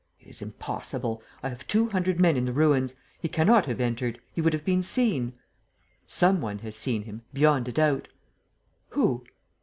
"It is impossible! I have two hundred men in the ruins. He cannot have entered. He would have been seen." "Some one has seen him, beyond a doubt." "Who?"